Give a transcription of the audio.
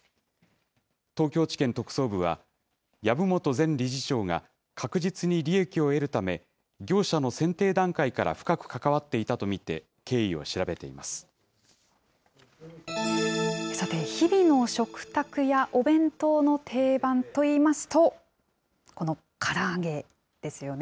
東京地検特捜部は、籔本前理事長が確実に利益を得るため、業者の選定段階から深く関わっていたと見て、さて、日々の食卓やお弁当の定番といいますと、このから揚げですよね。